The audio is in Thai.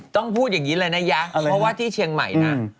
ต้องพูดอย่างนี้เลยนะยะเพราะว่าที่เชียงใหม่นะ